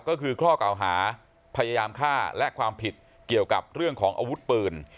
ก็คือข้อเก่าหาพยายามฆ่าและความผิดเกี่ยวกับเรื่องของอาวุธปืน